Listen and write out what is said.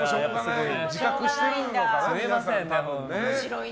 自覚してるのかな、皆さん。